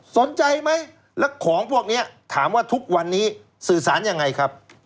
สนใจไหมแล้วของพวกนี้ถามว่าทุกวันนี้สื่อสารยังไงครับ